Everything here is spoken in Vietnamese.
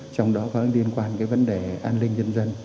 trong đó có liên quan đến vấn đề an ninh dân dân